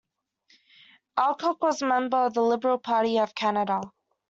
Alcock was a member of the Liberal Party of Canada.